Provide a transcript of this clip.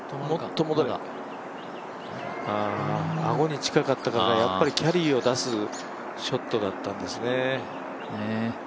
あごに近かったから、やっぱりキャリーを出すショットだったんですね。